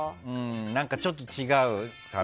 ちょっと違うかな。